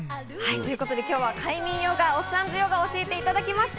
ということで今日は快眠ヨガ、おっさんずヨガを教えていただきました。